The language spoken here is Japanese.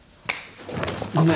ごめん